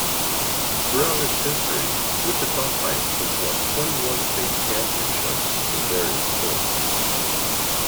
Throughout its history, Wichita Heights has won twenty one state championships in various sports.